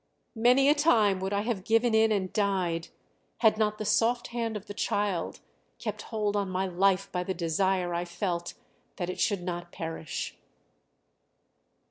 Many a time would I have given in and died, had not the soft hand of the child kept hold on my life by the desire I felt that it should not perish!"